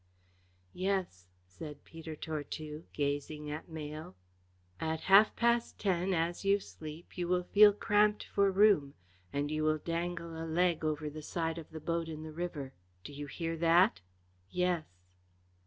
"Yes," said Peter Tortue, gazing at Mayle. "At half past ten, as you sleep, you will feel cramped for room, and you will dangle a leg over the side of the boat in the river. Do you hear that?" "Yes!"